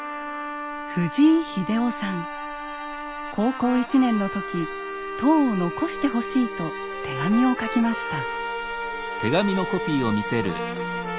高校１年の時塔を残してほしいと手紙を書きました。